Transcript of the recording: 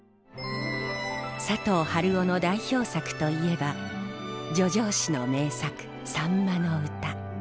佐藤春夫の代表作といえば叙情詩の名作「秋刀魚の歌」。